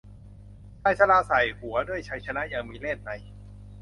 ชายชราส่ายหัวด้วยชัยชนะอย่างมีเลศนัย